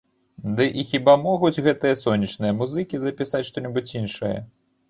Ды і хіба могуць гэтыя сонечныя музыкі запісаць што-небудзь іншае?